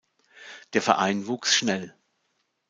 Der Verein wuchs schnell.